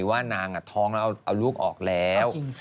ว่านางท้องแล้วเอาลูกออกแล้ว